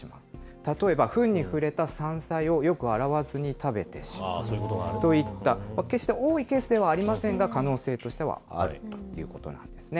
例えばふんに触れた山菜をよく洗わずに食べてしまうといった、決して多いケースではありませんが、可能性としてはあるということなんですね。